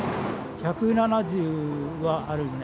１７０はあるよね。